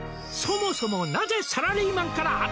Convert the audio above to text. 「そもそもなぜサラリーマンから」